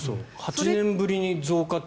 ８年ぶりに増加。